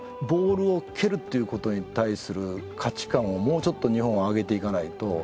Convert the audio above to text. ボールを蹴るっていうことに対する価値観をもうちょっと日本は上げていかないと。